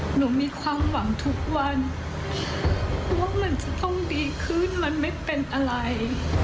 หนูมีความหวังทุกวันว่ามันจะต้องดีขึ้นมันไม่เป็นอะไร